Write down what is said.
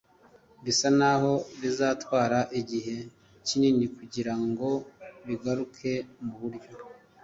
bisa n’aho bizatwara igihe kinini kugira ngo bigaruke mu buryo